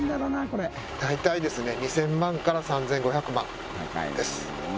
大体ですね２０００万から３５００万です